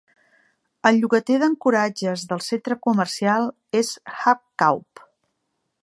El llogater d'ancoratges del centre comercial és Hagkaup.